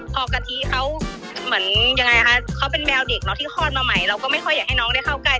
พอกะทิเขาเหมือนยังไงคะเขาเป็นแมวเด็กเนอะที่คลอดมาใหม่เราก็ไม่ค่อยอยากให้น้องได้เข้าใกล้